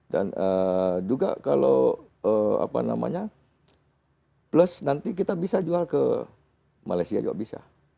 dan juga kalau plus nanti kita bisa jual ke malaysia juga bisa